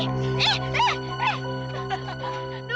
terima kasih dok